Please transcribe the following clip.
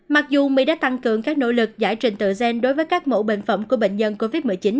mặc dù mỹ đã tăng cường các nỗ lực giải trình tự gen đối với các mẫu bệnh phẩm của bệnh nhân covid một mươi chín